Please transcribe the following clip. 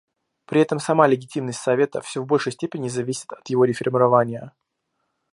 При этом сама легитимность Совета все в большей степени зависит от его реформирования.